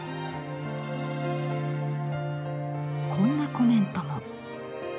こんなコメントも。